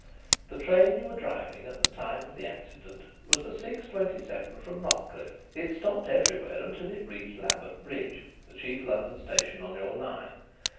"The train you were driving at the time of the accident was the six twenty seven from Notcliff. It stopped everywhere until it reached Lambeth Bridge, the chief London station on your line.